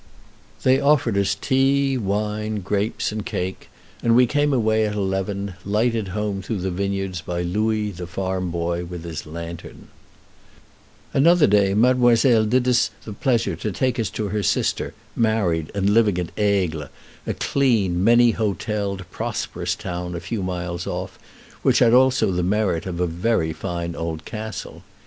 They offered us tea, wine, grapes, and cake, and we came away at eleven, lighted home through the vineyards by Louis, the farm boy, with his lantern. [Illustration: The Market, Vevay A Bargain before the Notary] Another day mademoiselle did us the pleasure to take us to her sister, married, and living at Aigle a clean, many hotelled, prosperous town, a few miles off, which had also the merit of a very fine old castle.